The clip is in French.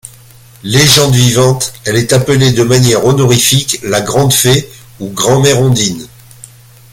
Légende vivante, elle est appelée de manière honorifique la Grande Fée ou Grand-mère Ondine.